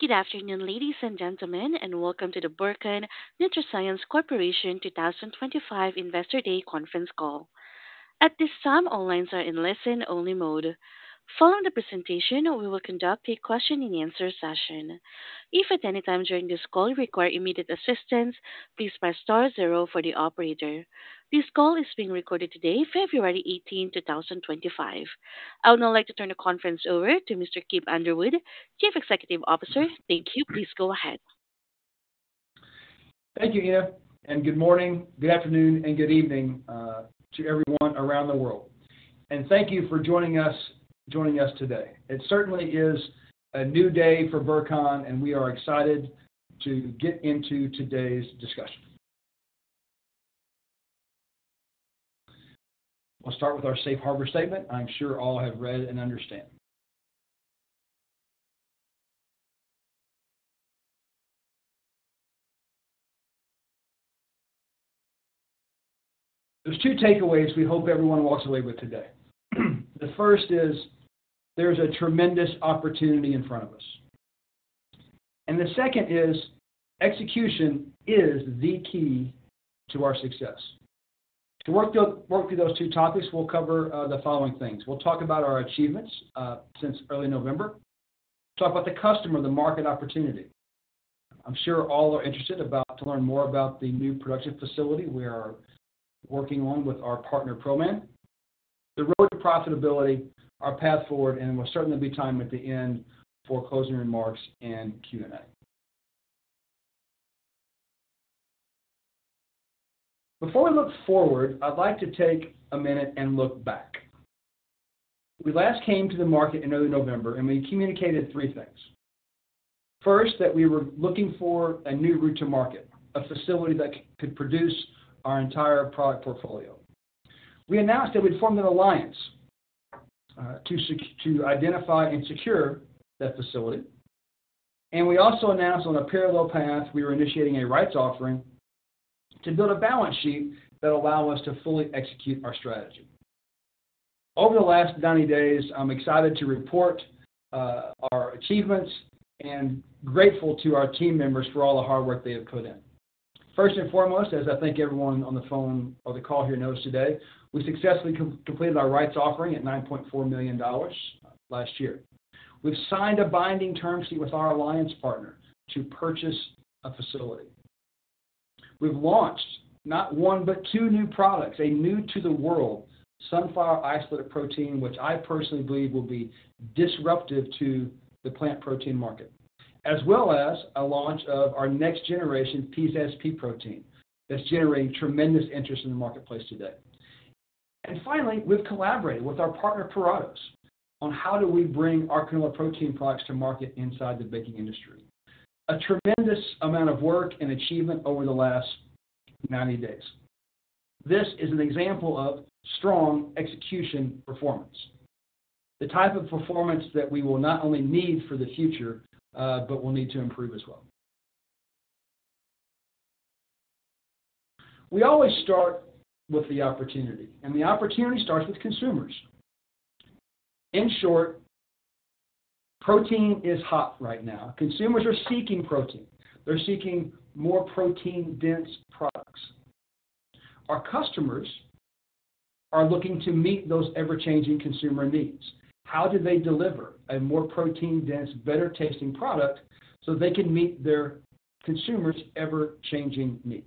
Good afternoon, ladies and gentlemen, and welcome to the Burcon NutraScience Corporation 2025 Investor Day Conference Call. At this time, all lines are in listen-only mode. Following the presentation, we will conduct a question-and-answer session. If at any time during this call you require immediate assistance, please press star zero for the operator. This call is being recorded today, February 18, 2025. I would now like to turn the conference over to Mr. Kip Underwood, Chief Executive Officer. Thank you. Please go ahead. Thank you, Dina, and good morning, good afternoon, and good evening to everyone around the world. Thank you for joining us today. It certainly is a new day for Burcon, and we are excited to get into today's discussion. I'll start with our Safe Harbor statement. I'm sure all have read and understand. There are two takeaways we hope everyone walks away with today. The first is there is a tremendous opportunity in front of us. The second is execution is the key to our success. To work through those two topics, we will cover the following things. We will talk about our achievements since early November. We will talk about the customer, the market opportunity. I'm sure all are interested to learn more about the new production facility we are working on with our partner, ProMan. The road to profitability, our path forward, and there will certainly be time at the end for closing remarks and Q&A. Before we look forward, I'd like to take a minute and look back. We last came to the market in early November, and we communicated three things. First, that we were looking for a new route to market, a facility that could produce our entire product portfolio. We announced that we'd formed an alliance to identify and secure that facility. We also announced on a parallel path, we were initiating a rights offering to build a balance sheet that would allow us to fully execute our strategy. Over the last 90 days, I'm excited to report our achievements and grateful to our team members for all the hard work they have put in. First and foremost, as I think everyone on the phone or the call here knows today, we successfully completed our rights offering at 9.4 million dollars last year. We've signed a binding term sheet with our alliance partner to purchase a facility. We've launched not one but two new products, a new-to-the-world sunflower isolate protein, which I personally believe will be disruptive to the plant protein market, as well as a launch of our next-generation Peazazz protein that's generating tremendous interest in the marketplace today. Finally, we've collaborated with our partner, Puratos, on how do we bring our canola protein products to market inside the baking industry. A tremendous amount of work and achievement over the last 90 days. This is an example of strong execution performance, the type of performance that we will not only need for the future but will need to improve as well. We always start with the opportunity, and the opportunity starts with consumers. In short, protein is hot right now. Consumers are seeking protein. They're seeking more protein-dense products. Our customers are looking to meet those ever-changing consumer needs. How do they deliver a more protein-dense, better-tasting product so they can meet their consumers' ever-changing needs?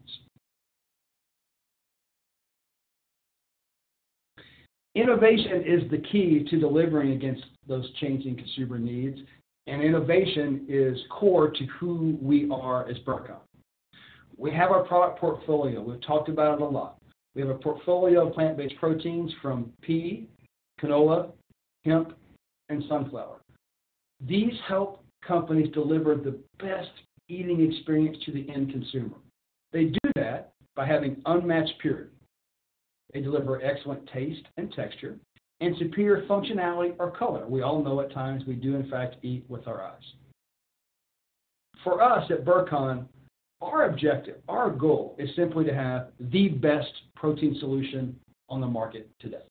Innovation is the key to delivering against those changing consumer needs, and innovation is core to who we are as Burcon. We have our product portfolio. We've talked about it a lot. We have a portfolio of plant-based proteins from pea, canola, hemp, and sunflower. These help companies deliver the best eating experience to the end consumer. They do that by having unmatched purity. They deliver excellent taste and texture and superior functionality or color. We all know at times we do, in fact, eat with our eyes. For us at Burcon, our objective, our goal is simply to have the best protein solution on the market today.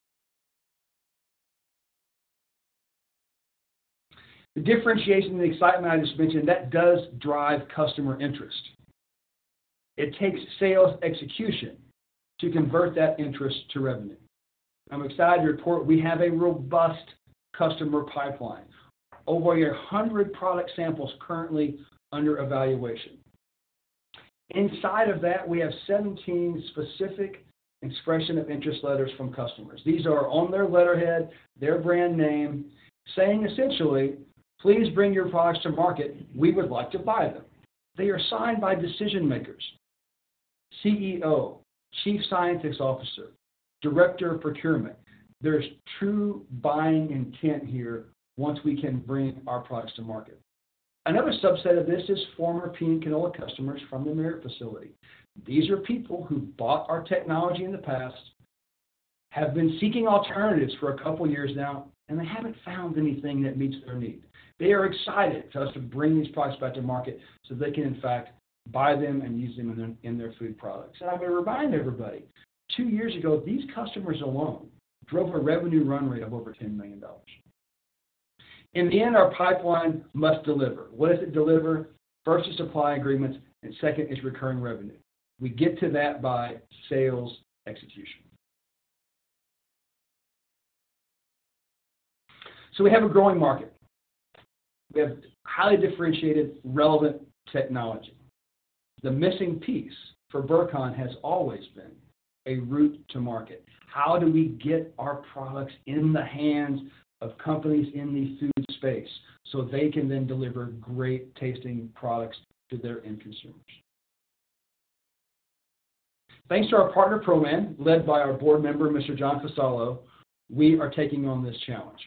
The differentiation and the excitement I just mentioned, that does drive customer interest. It takes sales execution to convert that interest to revenue. I'm excited to report we have a robust customer pipeline, over 100 product samples currently under evaluation. Inside of that, we have 17 specific expressions of interest letters from customers. These are on their letterhead, their brand name, saying essentially, "Please bring your products to market. We would like to buy them." They are signed by decision-makers, CEO, Chief Scientist Officer, Director of Procurement. There's true buying intent here once we can bring our products to market. Another subset of this is former pea and canola customers from the Merit facility. These are people who bought our technology in the past, have been seeking alternatives for a couple of years now, and they have not found anything that meets their need. They are excited for us to bring these products back to market so they can, in fact, buy them and use them in their food products. I am going to remind everybody, two years ago, these customers alone drove a revenue run rate of over $10 million. In the end, our pipeline must deliver. What does it deliver? First is supply agreements, and second is recurring revenue. We get to that by sales execution. We have a growing market. We have highly differentiated, relevant technology. The missing piece for Burcon has always been a route to market. How do we get our products in the hands of companies in the food space so they can then deliver great-tasting products to their end consumers? Thanks to our partner, ProMan, led by our board member, Mr. John Fasolo, we are taking on this challenge.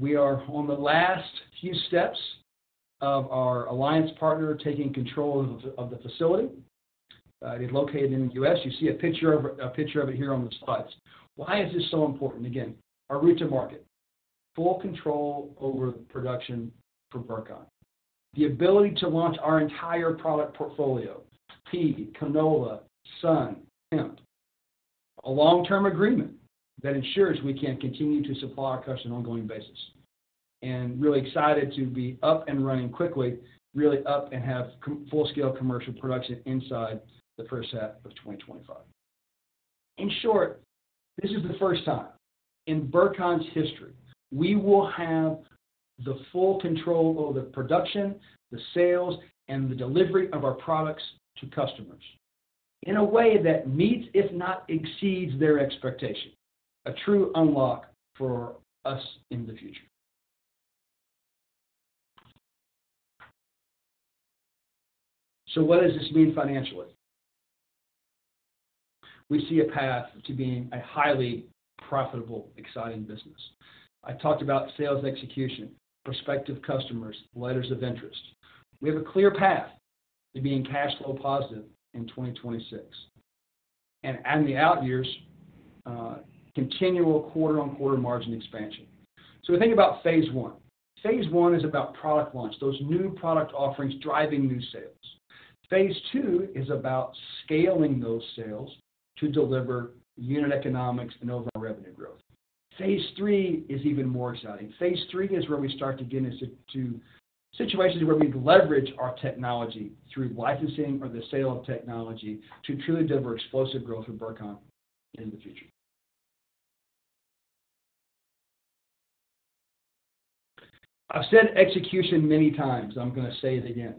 We are on the last few steps of our alliance partner taking control of the facility. It is located in the U.S. You see a picture of it here on the slides. Why is this so important? Again, our route to market, full control over production for Burcon, the ability to launch our entire product portfolio, pea, canola, sun, hemp, a long-term agreement that ensures we can continue to supply our customers on a going basis. I am really excited to be up and running quickly, really up and have full-scale commercial production inside the first half of 2025. In short, this is the first time in Burcon's history we will have the full control over the production, the sales, and the delivery of our products to customers in a way that meets, if not exceeds, their expectations. A true unlock for us in the future. What does this mean financially? We see a path to being a highly profitable, exciting business. I talked about sales execution, prospective customers, letters of interest. We have a clear path to being cash flow positive in 2026. In the out years, continual quarter-on-quarter margin expansion. We think about phase one. Phase one is about product launch, those new product offerings driving new sales. Phase two is about scaling those sales to deliver unit economics and overall revenue growth. Phase three is even more exciting. Phase three is where we start to get into situations where we leverage our technology through licensing or the sale of technology to truly deliver explosive growth for Burcon in the future. I've said execution many times. I'm going to say it again.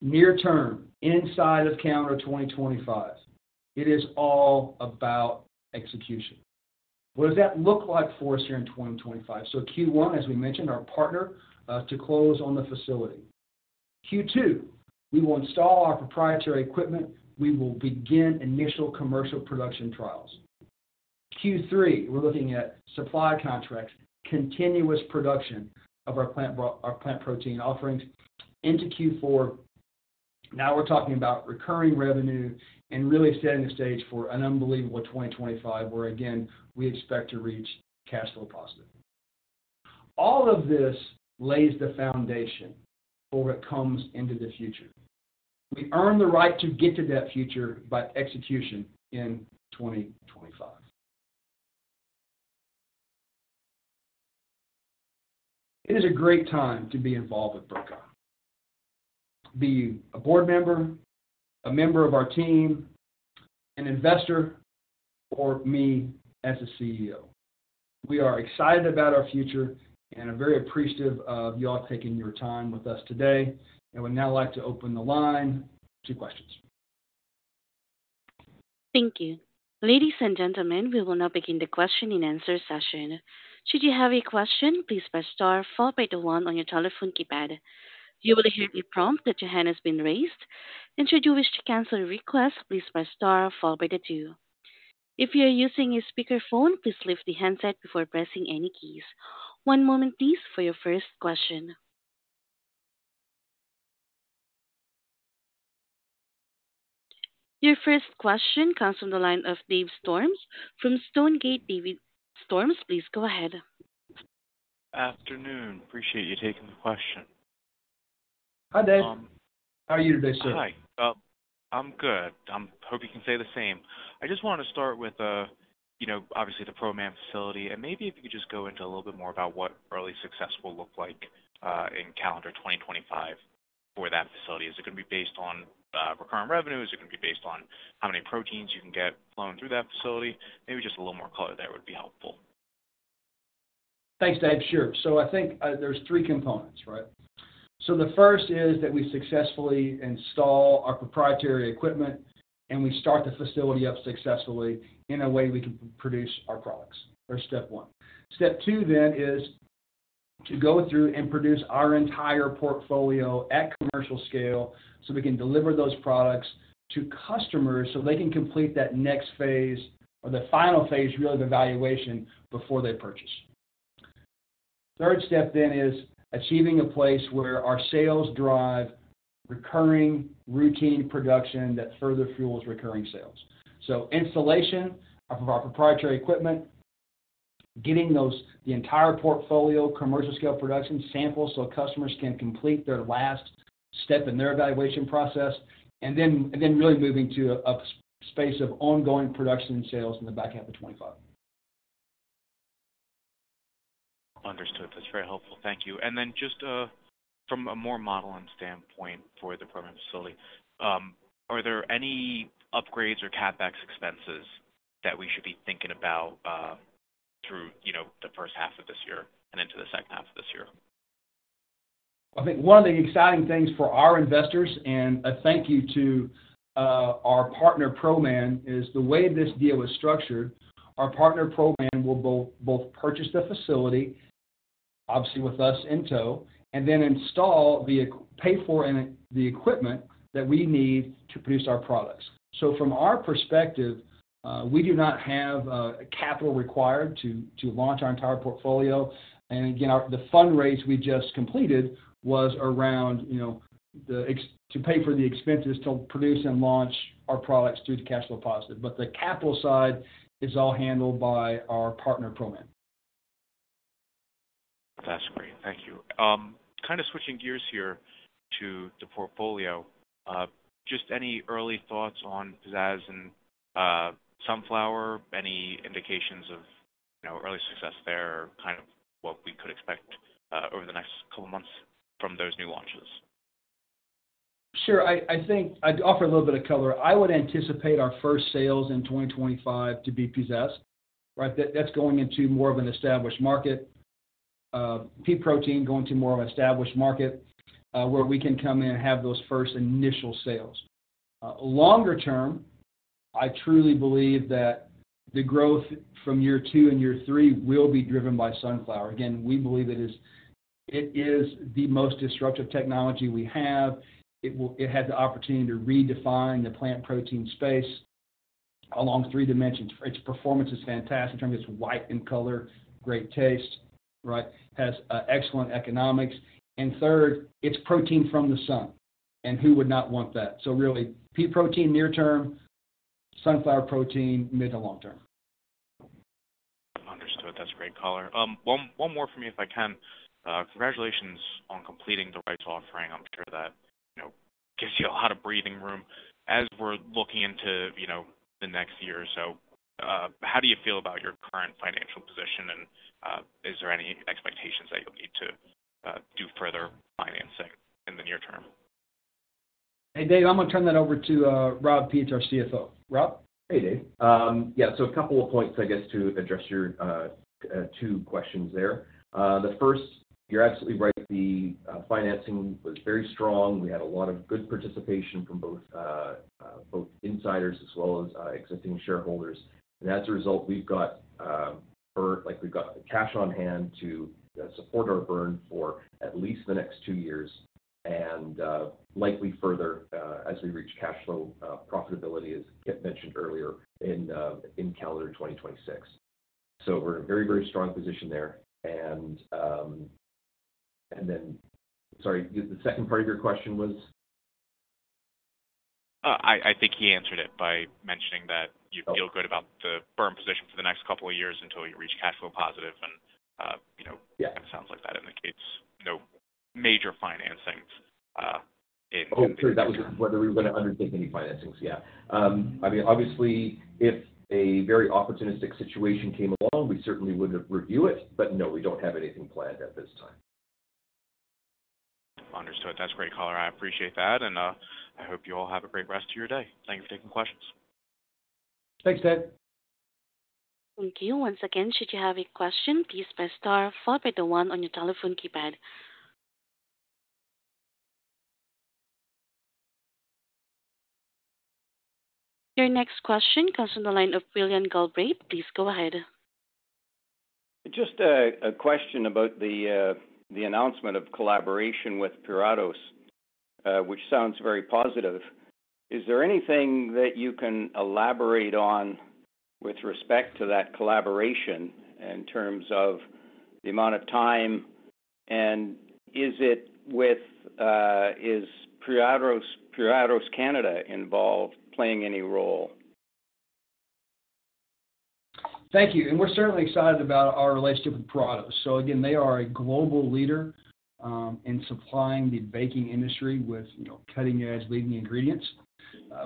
Near term, inside of calendar 2025, it is all about execution. What does that look like for us here in 2025? Q1, as we mentioned, our partner to close on the facility. Q2, we will install our proprietary equipment. We will begin initial commercial production trials. Q3, we're looking at supply contracts, continuous production of our plant protein offerings. Into Q4, now we're talking about recurring revenue and really setting the stage for an unbelievable 2025 where, again, we expect to reach cash flow positive. All of this lays the foundation for what comes into the future. We earn the right to get to that future by execution in 2025. It is a great time to be involved with Burcon, be a board member, a member of our team, an investor, or me as a CEO. We are excited about our future and are very appreciative of y'all taking your time with us today. I would now like to open the line to questions. Thank you. Ladies and gentlemen, we will now begin the question-and-answer session. Should you have a question, please press star followed by the one on your telephone keypad. You will hear a prompt that your hand has been raised. Should you wish to cancel a request, please press star followed by the two. If you are using a speakerphone, please lift the handset before pressing any keys. One moment, please, for your first question. Your first question comes from the line of Dave Storms. From Stonegate, Dave Storms, please go ahead. Good afternoon. Appreciate you taking the question. Hi, Dave. How are you today, sir? Hi. I'm good. I hope you can say the same. I just wanted to start with, obviously, the ProMan facility. Maybe if you could just go into a little bit more about what early success will look like in calendar 2025 for that facility. Is it going to be based on recurring revenue? Is it going to be based on how many proteins you can get flown through that facility? Maybe just a little more color there would be helpful. Thanks, Dave. Sure. I think there's three components, right? The first is that we successfully install our proprietary equipment, and we start the facility up successfully in a way we can produce our products. That's step one. Step two then is to go through and produce our entire portfolio at commercial scale so we can deliver those products to customers so they can complete that next phase or the final phase, really, of evaluation before they purchase. Third step then is achieving a place where our sales drive recurring routine production that further fuels recurring sales. Installation of our proprietary equipment, getting the entire portfolio, commercial-scale production, samples so customers can complete their last step in their evaluation process, and then really moving to a space of ongoing production and sales in the back half of 2025. Understood. That's very helpful. Thank you. Just from a more modeling standpoint for the ProMan facility, are there any upgrades or CapEx expenses that we should be thinking about through the first half of this year and into the second half of this year? I think one of the exciting things for our investors, and a thank you to our partner, ProMan, is the way this deal is structured. Our partner, ProMan, will both purchase the facility, obviously with us in tow, and then pay for the equipment that we need to produce our products. From our perspective, we do not have capital required to launch our entire portfolio. Again, the fundraise we just completed was around to pay for the expenses to produce and launch our products through the cash flow positive. The capital side is all handled by our partner, ProMan. That's great. Thank you. Kind of switching gears here to the portfolio, just any early thoughts on PZSP and sunflower? Any indications of early success there or kind of what we could expect over the next couple of months from those new launches? Sure. I'd offer a little bit of color. I would anticipate our first sales in 2025 to be PZS, right? That's going into more of an established market, pea protein going to more of an established market where we can come in and have those first initial sales. Longer term, I truly believe that the growth from year two and year three will be driven by sunflower. Again, we believe it is the most disruptive technology we have. It has the opportunity to redefine the plant protein space along three dimensions. Its performance is fantastic in terms of its white in color, great taste, right? Has excellent economics. Third, it's protein from the sun. Who would not want that? Really, pea protein near term, sunflower protein mid to long term. Understood. That's great color. One more from me if I can. Congratulations on completing the rights offering. I'm sure that gives you a lot of breathing room as we're looking into the next year or so. How do you feel about your current financial position, and is there any expectations that you'll need to do further financing in the near term? Hey, Dave. I'm going to turn that over to Rob Peets, our CFO. Rob? Hey, Dave. Yeah. A couple of points, I guess, to address your two questions there. The first, you're absolutely right. The financing was very strong. We had a lot of good participation from both insiders as well as existing shareholders. As a result, we've got cash on hand to support our burn for at least the next two years and likely further as we reach cash flow profitability, as Kip mentioned earlier, in calendar 2026. We're in a very, very strong position there. Sorry, the second part of your question was? I think he answered it by mentioning that you feel good about the burn position for the next couple of years until you reach cash flow positive. It sounds like that indicates no major financings in the future. Oh, true. That was whether we were going to undertake any financings. Yeah. I mean, obviously, if a very opportunistic situation came along, we certainly would review it. No, we don't have anything planned at this time. Understood. That's great color. I appreciate that. I hope you all have a great rest of your day. Thank you for taking the questions. Thanks, Dave. Thank you. Once again, should you have a question, please press star followed by the one on your telephone keypad. Your next question comes from the line of William Galbraith. Please go ahead. Just a question about the announcement of collaboration with Puratos, which sounds very positive. Is there anything that you can elaborate on with respect to that collaboration in terms of the amount of time? Is Puratos Canada involved playing any role? Thank you. We're certainly excited about our relationship with Puratos. They are a global leader in supplying the baking industry with cutting-edge, leading ingredients.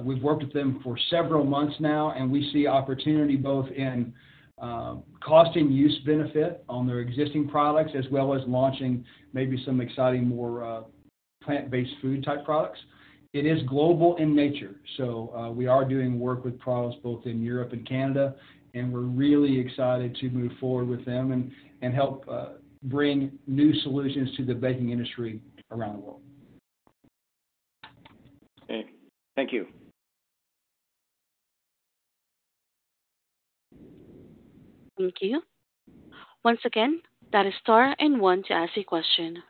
We've worked with them for several months now, and we see opportunity both in cost and use benefit on their existing products as well as launching maybe some exciting more plant-based food-type products. It is global in nature. We are doing work with Puratos both in Europe and Canada, and we're really excited to move forward with them and help bring new solutions to the baking industry around the world. Okay. Thank you. Thank you. Once again, that is star and one to ask a question.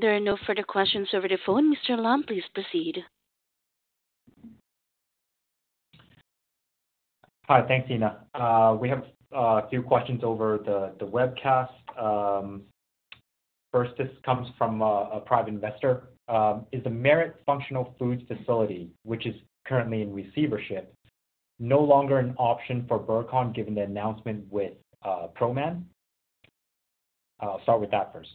There are no further questions over the phone. Mr. Lam, please proceed. Hi. Thanks, Dina. We have a few questions over the webcast. First, this comes from a private investor. Is the Merit Functional Foods facility, which is currently in receivership, no longer an option for Burcon given the announcement with ProMan? I'll start with that first.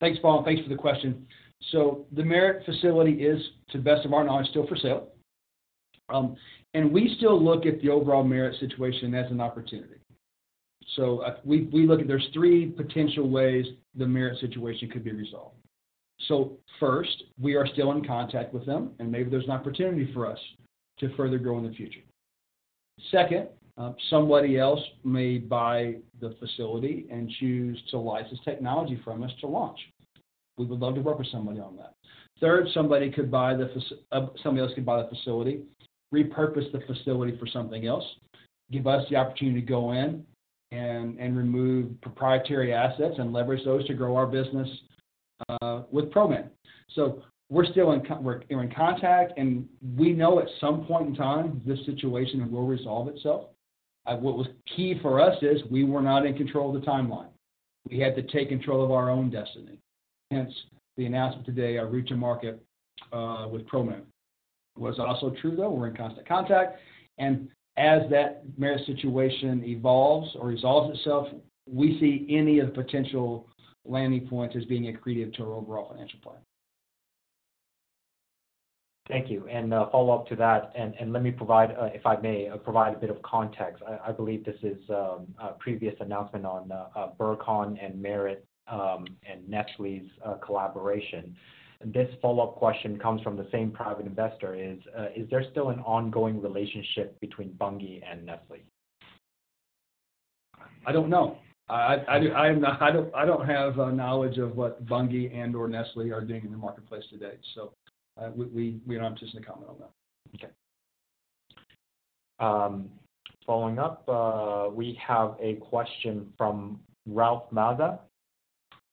Thanks, Paul. Thanks for the question. The Merit facility is, to the best of our knowledge, still for sale. We still look at the overall Merit situation as an opportunity. We look at three potential ways the Merit situation could be resolved. First, we are still in contact with them, and maybe there's an opportunity for us to further grow in the future. Second, somebody else may buy the facility and choose to license technology from us to launch. We would love to work with somebody on that. Third, somebody could buy the facility, repurpose the facility for something else, give us the opportunity to go in and remove proprietary assets and leverage those to grow our business with ProMan. We are in contact, and we know at some point in time, this situation will resolve itself. What was key for us is we were not in control of the timeline. We had to take control of our own destiny. Hence, the announcement today, our reach and market with ProMan. It was also true, though. We are in constant contact. As that Merit situation evolves or resolves itself, we see any of the potential landing points as being accretive to our overall financial plan. Thank you. Follow up to that, and let me provide, if I may, provide a bit of context. I believe this is a previous announcement on Burcon and Merit and Nestlé's collaboration. This follow-up question comes from the same private investor. Is there still an ongoing relationship between Burcon and Nestlé? I don't know. I don't have knowledge of what Bunge and/or Nestlé are doing in the marketplace today. We don't have to send a comment on that. Okay. Following up, we have a question from Ralph Mazza.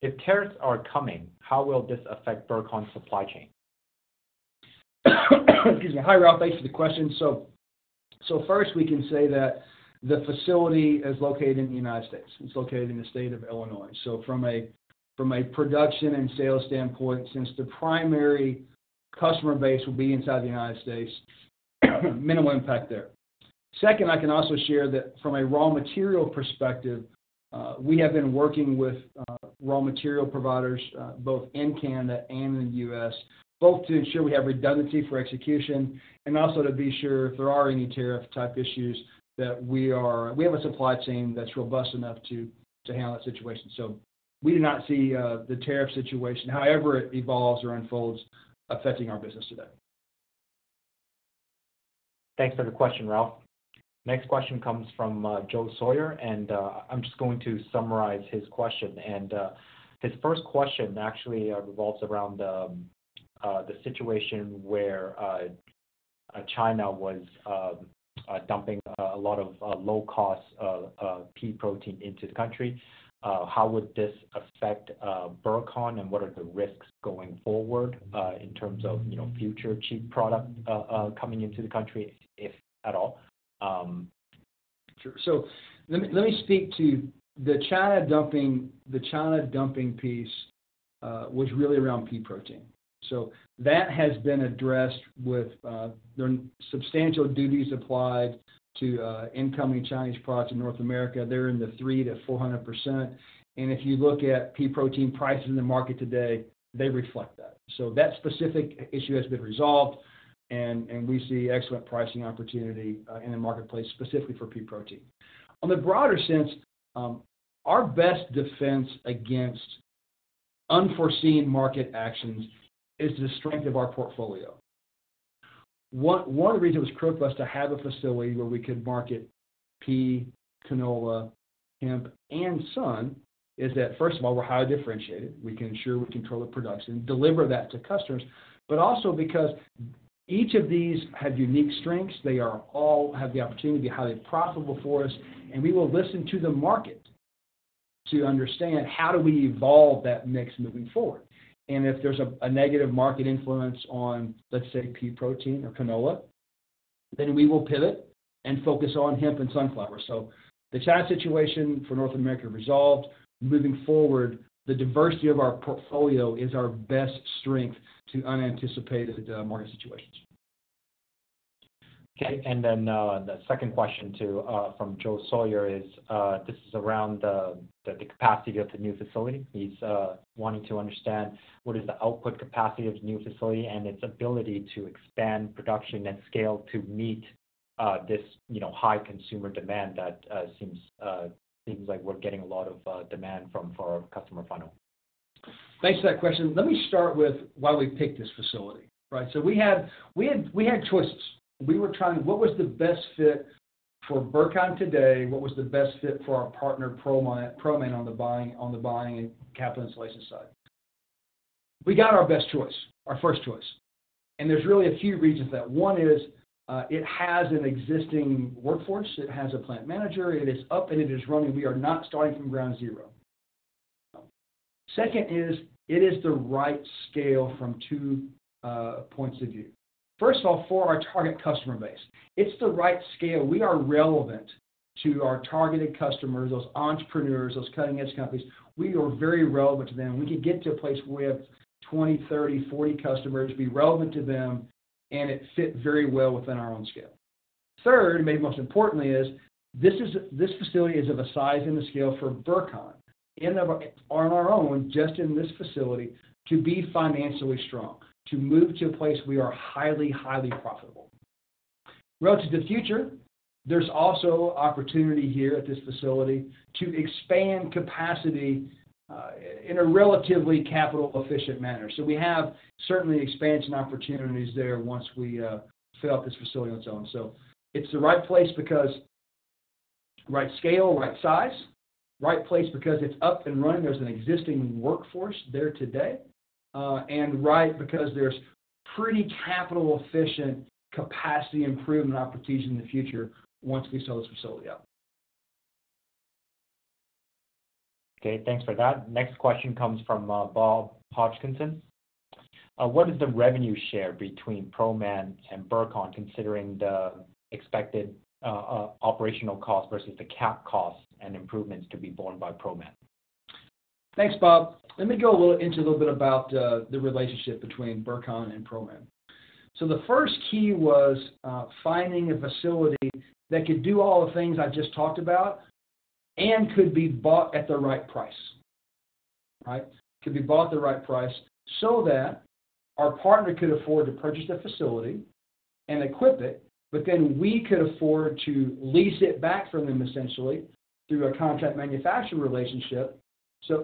If tariffs are coming, how will this affect Burcon's supply chain? Excuse me. Hi, Ralph. Thanks for the question. First, we can say that the facility is located in the United States. It's located in the state of Illinois. From a production and sales standpoint, since the primary customer base will be inside the United States, minimal impact there. Second, I can also share that from a raw material perspective, we have been working with raw material providers both in Canada and in the U.S., both to ensure we have redundancy for execution and also to be sure if there are any tariff-type issues that we have a supply chain that's robust enough to handle that situation. We do not see the tariff situation, however it evolves or unfolds, affecting our business today. Thanks for the question, Ralph. Next question comes from Joe Sawyer, and I'm just going to summarize his question. His first question actually revolves around the situation where China was dumping a lot of low-cost pea protein into the country. How would this affect Burcon, and what are the risks going forward in terms of future cheap product coming into the country, if at all? Sure. Let me speak to the China dumping piece, which was really around pea protein. That has been addressed with substantial duties applied to incoming Chinese products in North America. They're in the 300%-400% range. If you look at pea protein prices in the market today, they reflect that. That specific issue has been resolved, and we see excellent pricing opportunity in the marketplace specifically for pea protein. In a broader sense, our best defense against unforeseen market actions is the strength of our portfolio. One of the reasons it was critical for us to have a facility where we could market pea, canola, hemp, and sun is that, first of all, we're highly differentiated. We can ensure we control the production, deliver that to customers, but also because each of these have unique strengths. They all have the opportunity to be highly profitable for us, and we will listen to the market to understand how do we evolve that mix moving forward. If there is a negative market influence on, let's say, pea protein or canola, then we will pivot and focus on hemp and sunflower. The China situation for North America resolved. Moving forward, the diversity of our portfolio is our best strength to unanticipated market situations. Okay. The second question too from Joe Sawyer is this is around the capacity of the new facility. He's wanting to understand what is the output capacity of the new facility and its ability to expand production at scale to meet this high consumer demand that seems like we're getting a lot of demand from our customer funnel. Thanks for that question. Let me start with why we picked this facility, right? We had choices. We were trying to determine what was the best fit for Burcon today. What was the best fit for our partner, ProMan, on the buying and capital insulation side? We got our best choice, our first choice. There are really a few reasons for that. One is it has an existing workforce. It has a plant manager. It is up, and it is running. We are not starting from ground zero. Second is it is the right scale from two points of view. First of all, for our target customer base, it is the right scale. We are relevant to our targeted customers, those entrepreneurs, those cutting-edge companies. We are very relevant to them. We could get to a place where we have 20, 30, 40 customers, be relevant to them, and it fit very well within our own scale. Third, and maybe most importantly, this facility is of a size and a scale for Burcon and on our own, just in this facility, to be financially strong, to move to a place we are highly, highly profitable. Relative to the future, there is also opportunity here at this facility to expand capacity in a relatively capital-efficient manner. We have certainly expansion opportunities there once we fill up this facility on its own. It is the right place because right scale, right size, right place because it is up and running. There is an existing workforce there today. It is right because there are pretty capital-efficient capacity improvement opportunities in the future once we sell this facility out. Okay. Thanks for that. Next question comes from Bob Hodgkinson. What is the revenue share between ProMan and Burcon, considering the expected operational cost versus the cap costs and improvements to be borne by ProMan? Thanks, Bob. Let me go into a little bit about the relationship between Burcon and ProMan. The first key was finding a facility that could do all the things I just talked about and could be bought at the right price, right? Could be bought at the right price so that our partner could afford to purchase the facility and equip it, but then we could afford to lease it back from them, essentially, through a contract manufacturer relationship,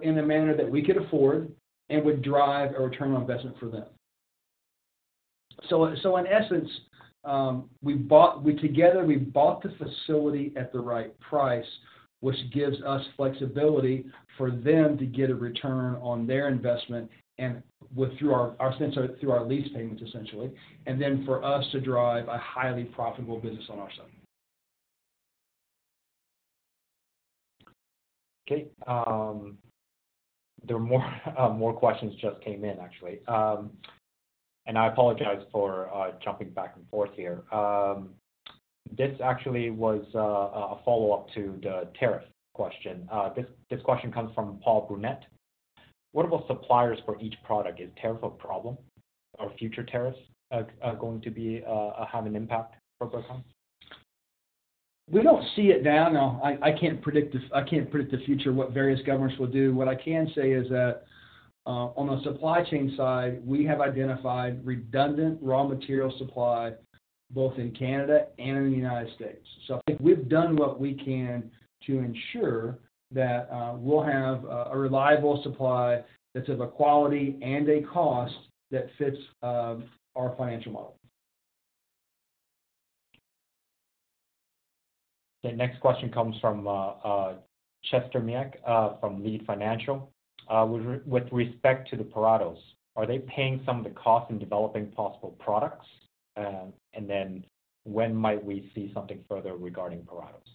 in a manner that we could afford and would drive a return on investment for them. In essence, together, we bought the facility at the right price, which gives us flexibility for them to get a return on their investment through our lease payments, essentially, and then for us to drive a highly profitable business on our side. Okay. There are more questions just came in, actually. I apologize for jumping back and forth here. This actually was a follow-up to the tariff question. This question comes from Paul Brunet. What about suppliers for each product? Is tariff a problem? Are future tariffs going to have an impact for Burcon? We do not see it now. No. I cannot predict the future, what various governments will do. What I can say is that on the supply chain side, we have identified redundant raw material supply both in Canada and in the United States. I think we have done what we can to ensure that we will have a reliable supply that is of a quality and a cost that fits our financial model. Okay. Next question comes from Chester Kmiec from Leede Financial. With respect to the Puratos, are they paying some of the cost in developing possible products? When might we see something further regarding Puratos?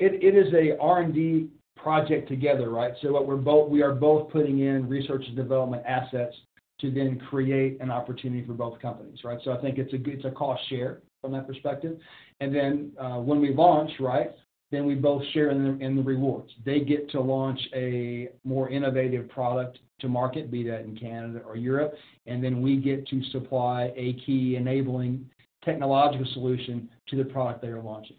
It is an R&D project together, right? We are both putting in research and development assets to then create an opportunity for both companies, right? I think it is a cost share from that perspective. When we launch, right, we both share in the rewards. They get to launch a more innovative product to market, be that in Canada or Europe, and we get to supply a key enabling technological solution to the product they are launching.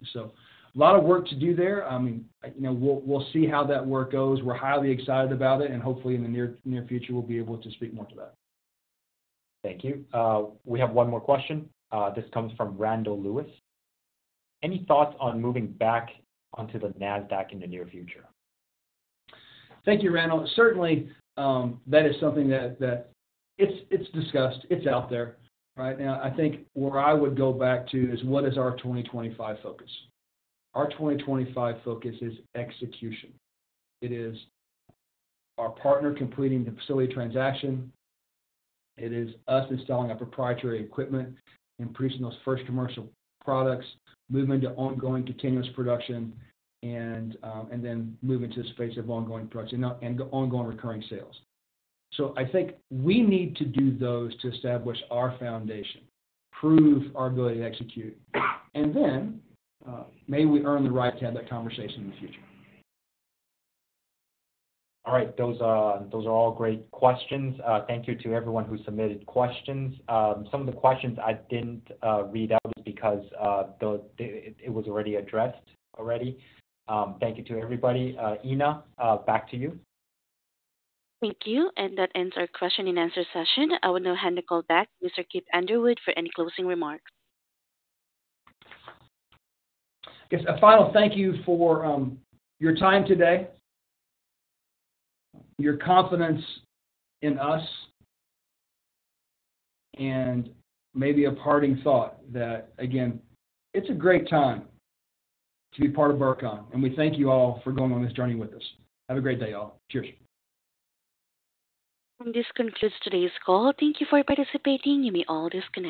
A lot of work to do there. I mean, we'll see how that work goes. We're highly excited about it, and hopefully in the near future, we'll be able to speak more to that. Thank you. We have one more question. This comes from Randall Lewis. Any thoughts on moving back onto the Nasdaq in the near future? Thank you, Randall. Certainly, that is something that it's discussed. It's out there, right? Now, I think where I would go back to is what is our 2025 focus? Our 2025 focus is execution. It is our partner completing the facility transaction. It is us installing our proprietary equipment and producing those first commercial products, moving to ongoing continuous production, and then moving to the space of ongoing production and ongoing recurring sales. I think we need to do those to establish our foundation, prove our ability to execute, and then maybe we earn the right to have that conversation in the future. All right. Those are all great questions. Thank you to everyone who submitted questions. Some of the questions I did not read out is because it was already addressed already. Thank you to everybody. Ina, back to you. Thank you. That ends our question and answer session. I will now hand the call back to Mr. Kip Underwood for any closing remarks. Just a final thank you for your time today, your confidence in us, and maybe a parting thought that, again, it's a great time to be part of Burcon, and we thank you all for going on this journey with us. Have a great day, all. Cheers. This concludes today's call. Thank you for participating. You may all disconnect.